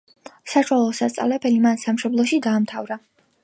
საშუალო სასწავლებელი მან სამშობლოში დაამთავრა.